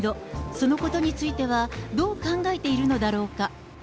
そのことについては、どう考えているのだろうか。